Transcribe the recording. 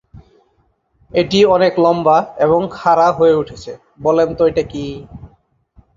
এটি অনেক লম্বা এবং খাড়া হয়ে উঠেছে।